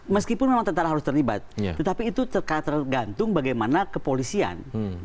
meskipun memang tentara harus terlibat tetapi itu tergantung bagaimana kepolisian